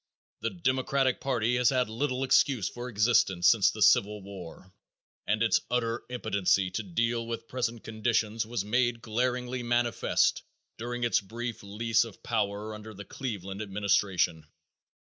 The Democratic party has had little excuse for existence since the Civil War, and its utter impotency to deal with present conditions was made glaringly manifest during its brief lease of power under the Cleveland administration.